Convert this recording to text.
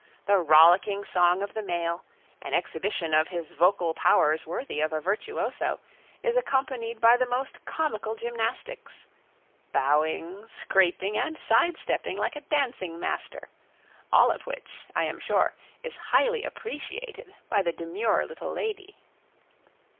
The rollicking song of the male, an exhibition of his vocal powers worthy of a virtuoso, is accompanied by the most comical gymnastics bowing, scraping, and side stepping like a dancing master; all of which, I am sure, is highly appreciated by the demure little lady.